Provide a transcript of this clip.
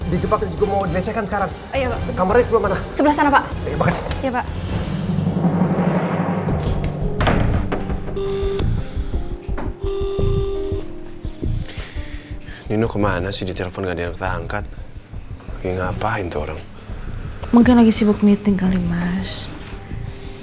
dijepakin juga mau dilecehkan sekarang